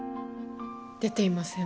出ていません。